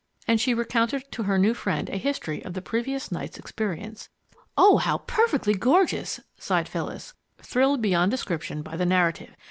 And she recounted to her new friend a history of the previous night's experience. "Oh, how perfectly gorgeous!" sighed Phyllis, thrilled beyond description by the narrative.